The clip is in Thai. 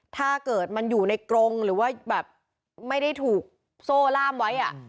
ถ้าเกิดมันอยู่ในกรงหรือว่าแบบไม่ได้ถูกโซ่ล่ามไว้